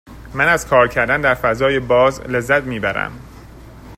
من از کار کردن در فضای باز لذت می برم.